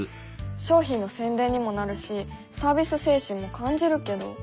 商品の宣伝にもなるしサービス精神も感じるけど。